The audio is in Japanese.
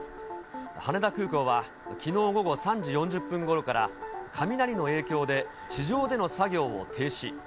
羽田空港は、きのう午後３時４０分ごろから、雷の影響で地上での作業を停止。